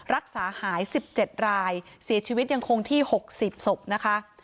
รักษาหาย๑๗รายเสียชีวิตยังคงที่๖๐ศพนะคะ